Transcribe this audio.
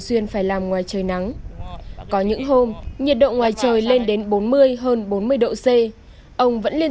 xuyên phải làm ngoài trời nắng có những hôm nhiệt độ ngoài trời lên đến bốn mươi hơn bốn mươi độ c ông vẫn liên